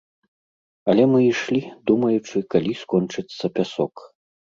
Але мы ішлі, думаючы, калі скончыцца пясок.